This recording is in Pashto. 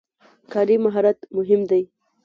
کاري مهارت مهم دی.